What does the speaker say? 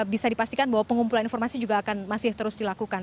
bisa dipastikan bahwa pengumpulan informasi juga akan masih terus dilakukan